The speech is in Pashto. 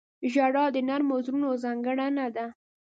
• ژړا د نرمو زړونو ځانګړنه ده.